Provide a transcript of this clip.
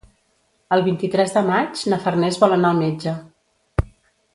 El vint-i-tres de maig na Farners vol anar al metge.